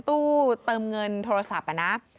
ตู้เติมเงินโทรศัพท์นะ